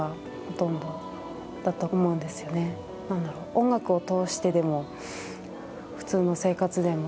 音楽を通してでも、普通の生活でも、